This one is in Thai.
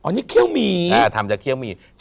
อันนี้เขี้ยวหมี่ทำจากเคี่ยวหมี่